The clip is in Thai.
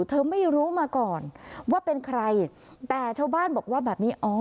เธอไม่รู้มาก่อนว่าเป็นใครแต่ชาวบ้านบอกว่าแบบนี้อ๋อ